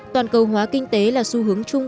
toàn cầu hóa kinh tế là xu hướng chung